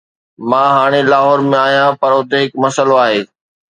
مان هاڻي لاهور ۾ آهيان، پر اتي هڪ مسئلو آهي.